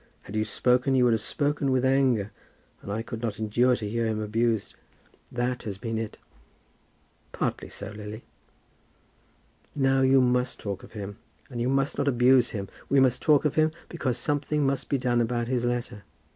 Had you spoken you would have spoken with anger, and I could not endure to hear him abused. That has been it." "Partly so, Lily." "Now you must talk of him, and you must not abuse him. We must talk of him, because something must be done about his letter.